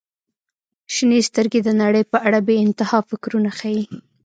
• شنې سترګې د نړۍ په اړه بې انتها فکرونه ښیي.